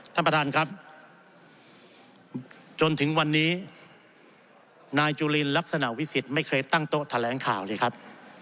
ท่านประธานครับจนถึงวันนี้นายจุลินลักษณะวิสิทธิ์ไม่เคยตั้งโต๊ะแถลงข่าวสิครับ